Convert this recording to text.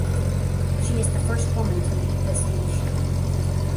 She is the first woman to lead this ministry.